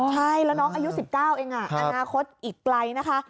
ใช่แล้วน้องอายุ๑๙เองอนาคตอีกไกลนะคะ